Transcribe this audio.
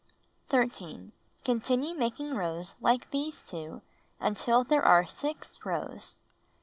13. Continue making rows like these two until there are 6 rows.